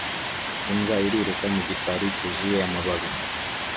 Imbwa iriruka mu gikari cyuzuye amababi